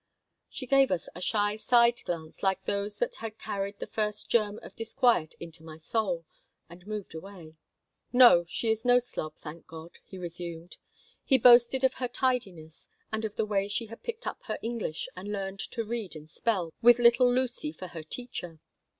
She gave us a shy side glance like those that had carried the first germ of disquiet into my soul, and moved away "No, she is no slob, thank God," he resumed. He boasted of her tidiness and of the way she had picked up her English and learned to read and spell, with little Lucy for her teacher.